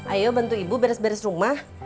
ayo bantu ibu beres beres rumah